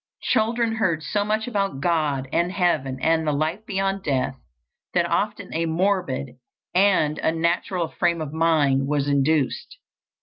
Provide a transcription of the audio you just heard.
Children heard so much about God, and heaven, and the life beyond death, that often a morbid and unnatural frame of mind was induced.